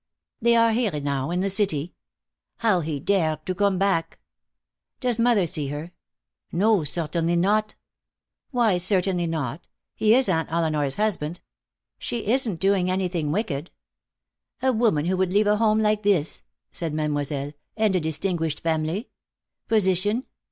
"They are here now, in the city. How he dared to come back!" "Does mother see her?" "No. Certainly not." "Why 'certainly' not? He is Aunt Elinor's husband. She isn't doing anything wicked." "A woman who would leave a home like this," said Mademoiselle, "and a distinguished family. Position.